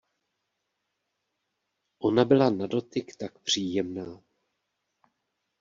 Ona byla na dotyk tak příjemná.